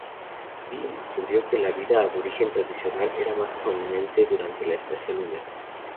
Ella descubrió que la vida aborigen tradicional era más prominente durante la estación húmeda.